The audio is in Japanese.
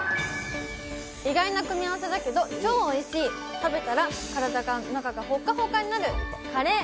意外な組み合わせだけど超おいしい、食べたら体の中がほっかほかになるカレー。